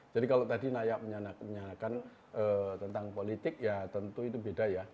jadi kalau tadi naya menyanakan tentang politik ya tentu itu beda ya